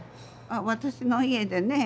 私の家でね